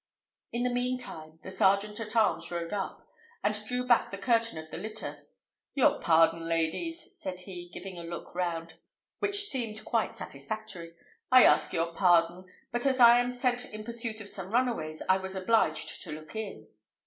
In the mean time, the sergeant at arms rode up, and drew back the curtain of the litter. "Your pardon, ladies," said he, giving a look round, which seemed quite satisfactory; "I ask your pardon; but as I am sent in pursuit of some runaways, I was obliged to look in."